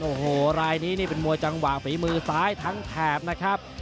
โอ้โหรายนี้นี่เป็นมวยจังหวะฝีมือซ้ายทั้งแถบนะครับ